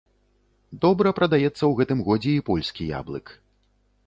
Добра прадаецца ў гэтым годзе і польскі яблык.